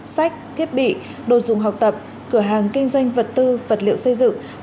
sách thiết bị đồ dùng học tập cửa hàng kinh doanh vật tư vật liệu xây dựng